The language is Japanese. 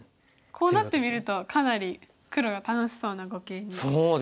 こうなってみるとかなり黒が楽しそうな碁形に見えますよね。